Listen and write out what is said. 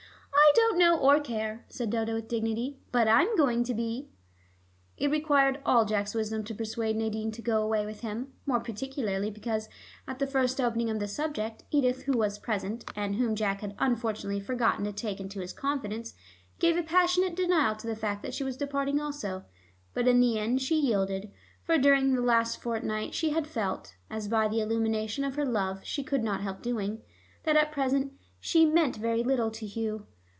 "I don't know or care," said Dodo with dignity. "But I'm going to be." It required all Jack's wisdom to persuade Nadine to go away with him, more particularly because at the first opening of the subject, Edith, who was present, and whom Jack had unfortunately forgotten to take into his confidence, gave a passionate denial to the fact that she was departing also. But in the end she yielded, for during this last fortnight she had felt (as by the illumination of her love she could not help doing) that at present she 'meant' very little to Hugh.